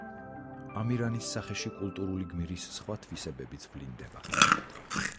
ამირანის სახეში კულტურული გმირის სხვა თვისებებიც ვლინდება.